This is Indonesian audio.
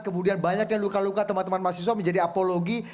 kemudian banyaknya luka luka teman teman mahasiswa menjadi apologi